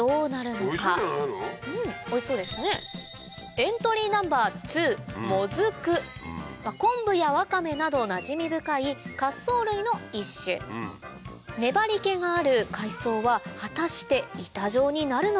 エントリーナンバー２昆布やワカメなどなじみ深い褐藻類の一種粘り気がある海藻は果たして板状になるのか？